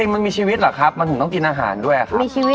มันมีชีวิตหรือครับสั้นสึกที่ทำอาหารด้วยครับ